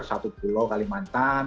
satu pulau kalimantan